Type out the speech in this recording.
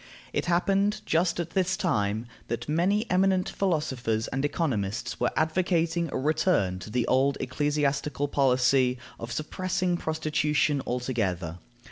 It happened, just at this time, that many eminent philosophers and economists were advocating a return to the old ecclesiastical policy of suppressing prostitution altogether.